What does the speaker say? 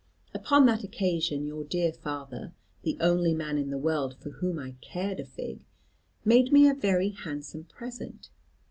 Upon that occasion, your dear father, the only man in the world for whom I cared a fig, made me a very handsome present.